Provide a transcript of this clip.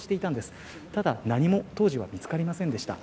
ただ、何も当時は見つかりませんでした。